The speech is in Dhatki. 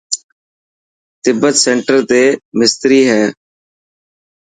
تبت سينٽر تي مستري هي.